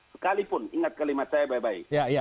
sekalipun ingat kalimat saya baik baik